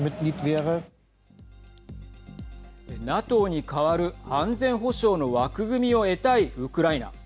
ＮＡＴＯに代わる安全保障の枠組みを得たいウクライナ。